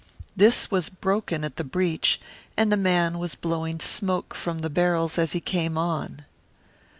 This was broken at the breech and the man was blowing smoke from the barrels as he came on.